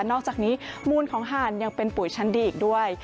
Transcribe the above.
อกจากนี้มูลของห่านยังเป็นปุ๋ยชั้นดีอีกด้วย